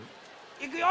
いくよ！